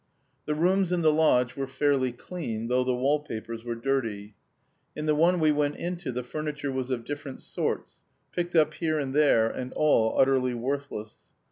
The rooms in the lodge were fairly clean, though the wall papers were dirty. In the one we went into the furniture was of different sorts, picked up here and there, and all utterly worthless.